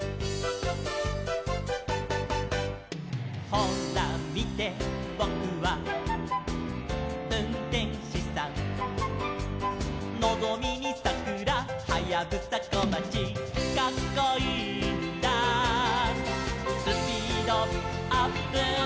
「ほらみてボクはうんてんしさん」「のぞみにさくらはやぶさこまち」「カッコいいんだスピードアップ」